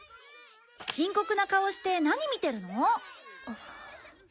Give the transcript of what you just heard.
深刻な顔して何見てるの？